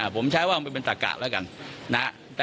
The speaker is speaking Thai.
ผมใช้ว่ามันเป็นตะกะแล้วกัน